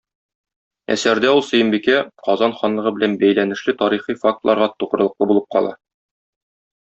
Әсәрдә ул Сөембикә, Казан ханлыгы белән бәйләнешле тарихи фактларга тугрылыклы булып кала.